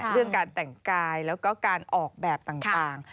เรื่องการแต่งกายแล้วก็การออกแบบต่าง